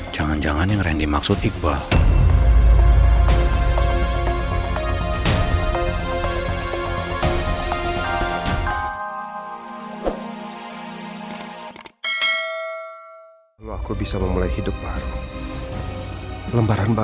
jangan jangan yang randy maksud iqbal